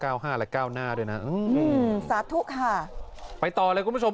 ห้าและเก้าหน้าด้วยนะอืมสาธุค่ะไปต่อเลยคุณผู้ชม